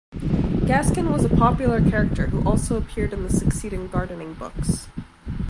Gaskin was a popular character, who also appeared in the succeeding gardening books.